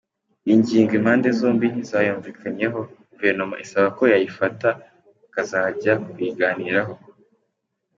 Iyi ngingo impande zombi ntizayumvikanyeho, Guverinoma isaba ko yayifata bakazajya kuyiganiraho.